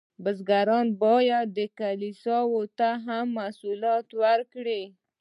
بزګران باید کلیسا ته هم محصولات ورکړي.